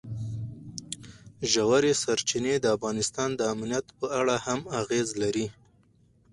ژورې سرچینې د افغانستان د امنیت په اړه هم اغېز لري.